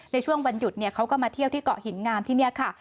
ในช่วงวันหยุดเขาก็มาเที่ยวที่เกาะหินงามที่นี่ค่ะ